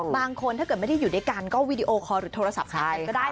บางคนถ้าเกิดไม่ได้อยู่ด้วยกันก็วีดีโอคอลหรือโทรศัพท์คุยกันก็ได้